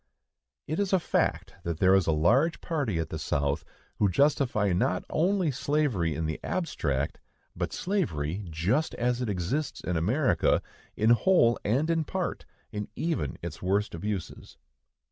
It is a fact that there is a large party at the South who justify not only slavery in the abstract, but slavery just as it exists in America, in whole and in part, and even its worst abuses.